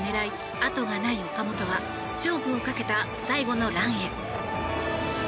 あとがない岡本は勝負をかけた最後のランへ。